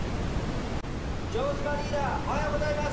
城島リーダーおはようございます。